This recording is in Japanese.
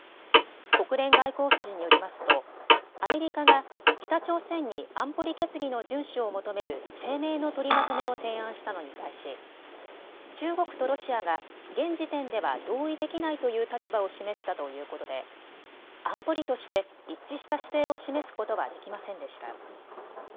国連外交筋によりますとアメリカが北朝鮮に安保理決議の順守を求める声明の取りまとめを提案したのに対し中国とロシアが現時点では同意できないという立場を示したということで安保理として、一致した姿勢を示すことはできませんでした。